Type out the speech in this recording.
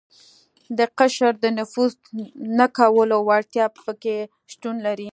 د قشر د نفوذ نه کولو وړتیا په کې شتون لري.